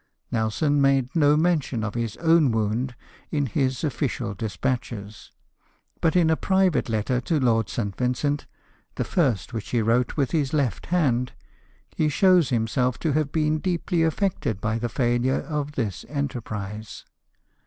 Nelson made no mention of his own wound in his official despatches ; but in a private letter to Lord St. Vincent — the first which he wrote with his left hand — he shows himself to have been deeply affected by the failure of this enterprise.